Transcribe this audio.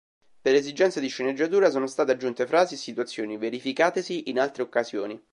Per esigenze di sceneggiatura sono state aggiunte frasi e situazioni verificatesi in altre occasioni.